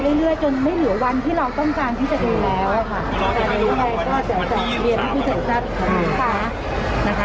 ไม่เหลือวันวันที่เราต้องการที่จะดูแล้วค่ะ